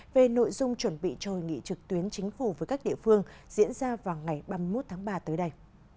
về nội dung chuẩn bị cho hội nghị trực tuyến chính phủ với các địa phương diễn ra vào ngày ba mươi một tháng ba tới đây